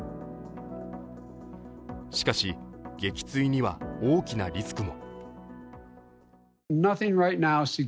しかし撃墜には大きなリスクも。